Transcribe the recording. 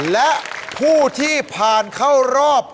และผู้ที่ผ่านเข้ารอบ